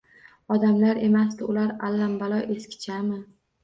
Odamlar emasdi ular, allambalo eskichami